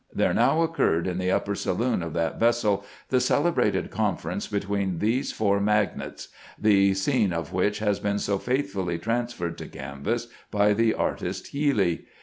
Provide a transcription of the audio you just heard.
There now occurred in the upper saloon of that vessel the celebrated conference between these four magnates, the scene of which has been so faithfully transferred to canvas by the artist Healy.